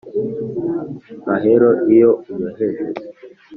mahero iyo unyoheje